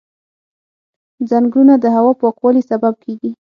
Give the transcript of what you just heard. ځنګلونه د هوا پاکوالي سبب کېږي.